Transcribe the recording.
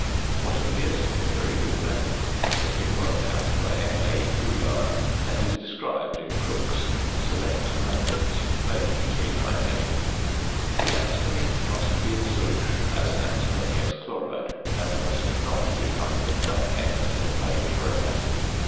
~ What appears to be a very good method has been worked out by M.A. Guyard, and is described in Crookes' Select Methods, p. 398. The antimony must be in solution as antimonious chloride, and must not be accompanied by an excess of hydrochloric acid.